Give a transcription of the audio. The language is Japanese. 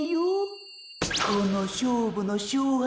この勝負の勝敗